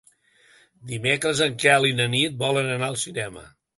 Dimecres en Quel i na Nit volen anar al cinema.